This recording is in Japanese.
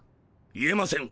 言えません。